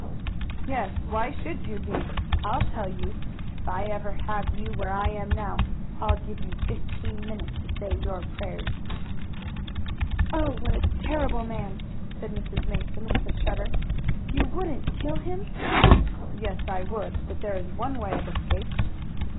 "Yes, why should you be? I'll tell you. If ever I have you where I am now I'll give you fifteen minutes to say your prayers." "Oh, what a terrible man!" said Mrs. Mason with a shudder. "You wouldn't kill him?" "Yes, I would. But there is one way of escape."